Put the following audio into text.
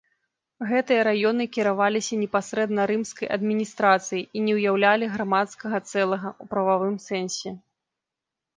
Гэтыя раёны кіраваліся непасрэдна рымскай адміністрацыяй і не ўяўлялі грамадскага цэлага ў прававым сэнсе.